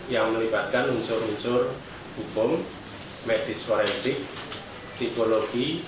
yang melibatkan unsur unsur hukum medis forensik psikologi